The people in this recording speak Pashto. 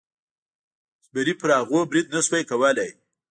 زمري پر هغوی برید نشو کولی.